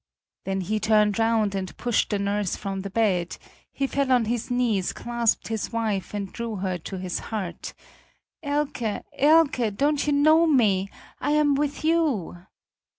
Then he turned round and pushed the nurse from the bed; he fell on his knees, clasped his wife and drew her to his heart: "Elke, Elke, don't you know me? I am with you!"